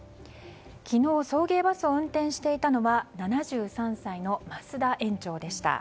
昨日、送迎バスを運転していたのは７３歳の増田園長でした。